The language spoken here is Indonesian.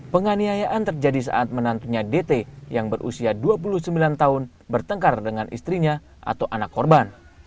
penganiayaan terjadi saat menantunya dt yang berusia dua puluh sembilan tahun bertengkar dengan istrinya atau anak korban